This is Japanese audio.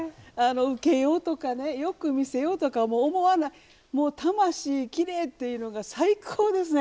受けようとかよく見せようとか思わない魂、きれいというのが最高ですね。